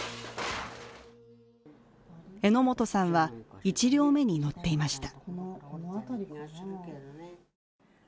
榎本さんは１両目に乗っていました。